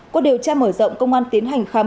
qua điều tra mở rộng công an tiến hành khám